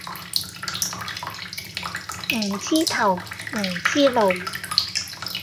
唔知頭唔知路